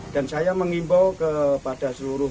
dan saya mengimbau kepada seluruh